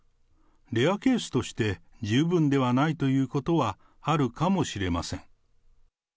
レアケースとして、十分ではないということはあるかもしれません。